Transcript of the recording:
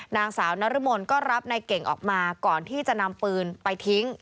นางสาวนรมนก็รับนายเก่งออกมาก่อนที่จะนำปืนไปทิ้ง